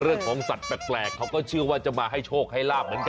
เรื่องของสัตว์แปลกเขาก็เชื่อว่าจะมาให้โชคให้ลาบเหมือนกัน